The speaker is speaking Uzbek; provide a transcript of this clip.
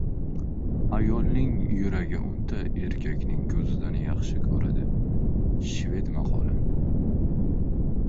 Ayolning yuragi o‘nta erkakning ko‘zidan yaxshi ko‘radi. Shved maqoli